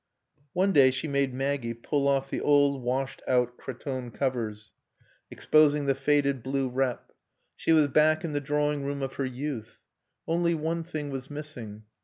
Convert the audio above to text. One day she made Maggie pull off the old, washed out cretonne covers, exposing the faded blue rep. She was back in the drawing room of her youth. Only one thing was missing.